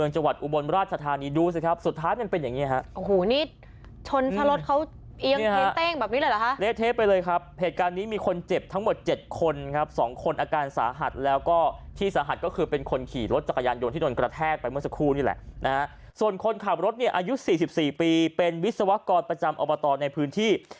ส่วนคนขับรถอายุ๔๔ปีเป็นวิศวกรประจำอบตรในพื้นที่